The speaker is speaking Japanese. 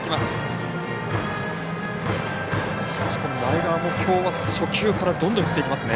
しかし、前川もきょうは初球からどんどん振っていきますね。